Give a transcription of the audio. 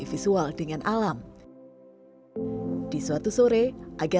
ayo masuk ke dalam dulu aja